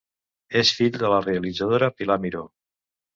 És fill de la realitzadora Pilar Miró.